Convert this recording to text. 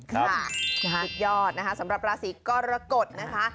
สุดยอดนะคะสำหรับราศีกรกฎนะคะ